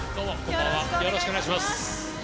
よろしくお願いします。